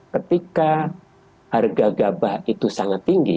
ketika harga gabah itu sangat tinggi